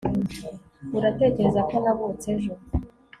uratekereza ko navutse ejo